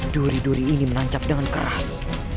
duri duri ini menancap dengan keras